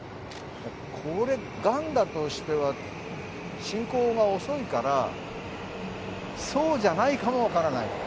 これ、がんだとしては、進行が遅いから、そうじゃないかも分からない。